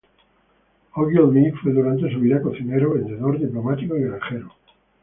Ogilvy fue durante su vida cocinero, vendedor, diplomático y granjero.